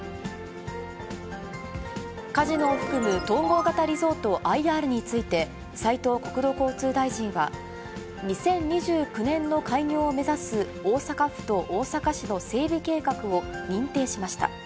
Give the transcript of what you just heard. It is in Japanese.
カジノを含む統合型リゾート・ＩＲについて、斉藤国土交通大臣は、２０２９年の開業を目指す大阪府と大阪市の整備計画を認定しました。